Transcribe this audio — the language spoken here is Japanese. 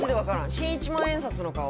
新一万円札の顔？